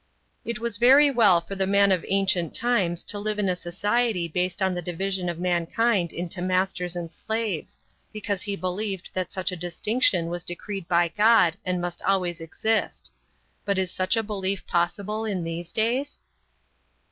It was very well for the man of ancient times to live in a society based on the division of mankind into masters and slaves, because he believed that such a distinction was decreed by God and must always exist. But is such a belief possible in these days?